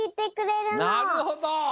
なるほど！